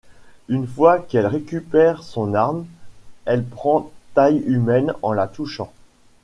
Une fois qu'elle récupère son arme, elle prend taille humaine en la touchant.